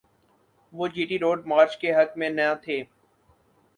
وہ G T road march کے حق میں نہ تھے۔